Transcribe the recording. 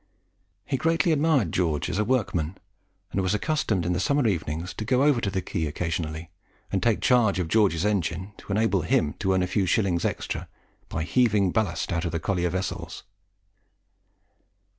He greatly admired George as a workman, and was accustomed in the summer evenings to go over to the Quay occasionally and take charge of George's engine, to enable him to earn a few shillings extra by heaving ballast out of the collier vessels.